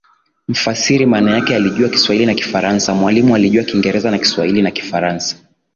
mfasiri maana yeye alijua Kiswahili na Kifaransa Mwalimu alijua Kiingereza na Kiswahili na kifaransa